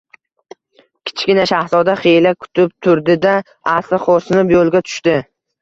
Kichkina shahzoda xiyla kutib turdi-da, asta xo‘rsinib, yo‘lga tushdi.